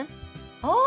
ああ！